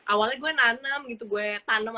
awalnya gue nanem gitu gue tanam